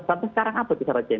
tapi sekarang apa sih para chen